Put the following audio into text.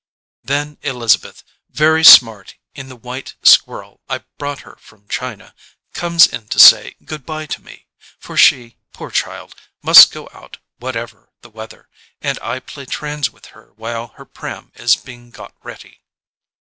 Then Elizabeth, very smart in the white squirrel I brought her from China, comes in to say good bye to me, for she, poor child, must go out what ever the weather, and I play trains with her while her pram is being got ready.